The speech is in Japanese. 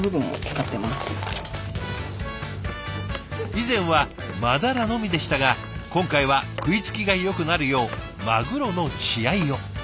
以前はマダラのみでしたが今回は食いつきがよくなるようマグロの血合いを。